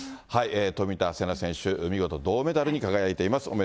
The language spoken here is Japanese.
冨田せな選手、見事、銅メダルに輝いています。